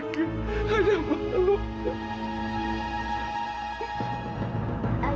hanya bakal lupa